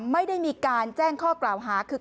ไม่ได้มีการแจ้งข้อกล่าวหาคือ